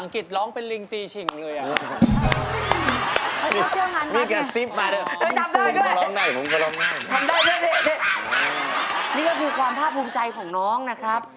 ผมก็ร้องเพลงสากลได้อย่างนั้นครับ